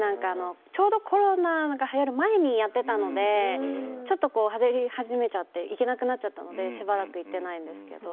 ちょうどコロナがはやる前にやってたのでちょっと、はやり始めてからは行けなくなっちゃったのでしばらく行けてないんですけど。